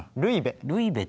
ルイベ。